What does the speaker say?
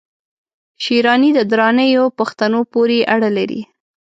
شېراني د درانیو پښتنو پوري اړه لري